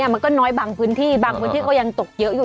มันก็น้อยบางพื้นที่บางพื้นที่ก็ยังตกเยอะอยู่